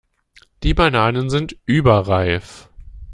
Die Bananen sind überreif.